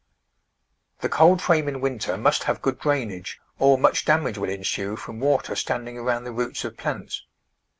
The cold frame in winter must have good drainage, or much damage will ensue from water standing around the roots of plants.